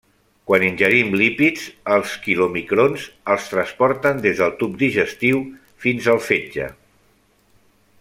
Quan ingerim lípids, els quilomicrons els transporten des del tub digestiu fins al fetge.